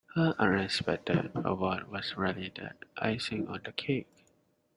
Her unexpected award was really the icing on the cake